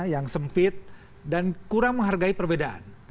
yang sempit dan kurang menghargai perbedaan